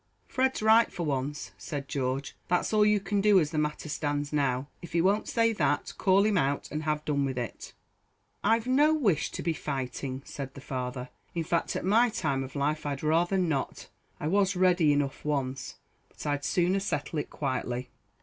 "Fred's right for once," said George, "that's all you can do as the matter stands now. If he won't say that, call him out and have done with it." "I've no wish to be fighting," said the father; "in fact, at my time of life I'd rather not. I was ready enough once, but I'd sooner settle it quietly."